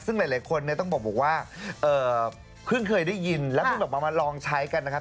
ซึ่งหลายคนเนี่ยต้องบอกว่าเพิ่งเคยได้ยินแล้วเพิ่งแบบมาลองใช้กันนะครับ